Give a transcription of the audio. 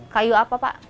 kayu apa pak